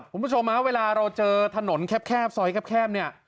คุณผู้ชมฮะเวลาเราเจอถนนแคบซอยแคบเนี่ย